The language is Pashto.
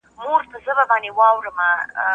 سياست د اقتصاد په پرتله خورا پېچلې پروسه ده.